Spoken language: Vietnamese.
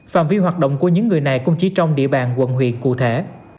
phạm vi hoạt động của những người này cũng chỉ trong địa bàn quận huyện cụ thể